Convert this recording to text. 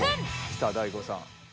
きた大悟さん。